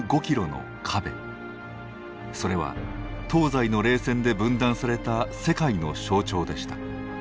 それは東西の冷戦で分断された世界の象徴でした。